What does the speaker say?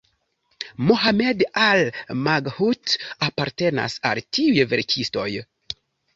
Mohamed Al-Maghout apartenas al tiuj verkistoj.